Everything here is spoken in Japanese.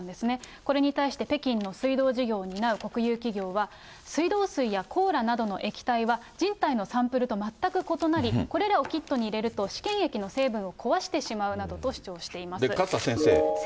これに対して、北京の水道事業を担う国有企業は、水道水やコーラなどの液体は、人体のサンプルと全く異なり、これらをキットに入れると試験液の成分を壊してしまうと主張して勝田先生。